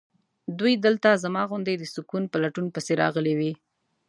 دوی دلته زما غوندې د سکون په لټون پسې راغلي وي.